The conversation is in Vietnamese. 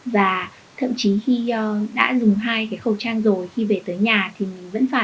và thậm chí khi đã dùng hai cái khẩu trang rồi khi về tới nhà thì mình vẫn phải